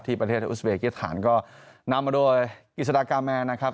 ประเทศอุสเบกิสถานก็นำมาโดยอิสดากาแมนนะครับ